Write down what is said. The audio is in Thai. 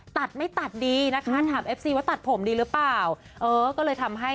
อ๋อตัดไม่ตัดดีนะคะ